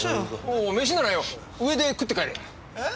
おう飯ならよ上で食って帰れ。